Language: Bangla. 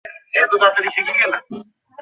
এটা একটু গাড়িতে রেখে দাও।